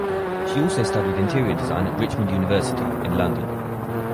She also studied interior design at Richmond University in London.